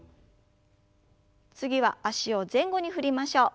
次は脚を前後に振りましょう。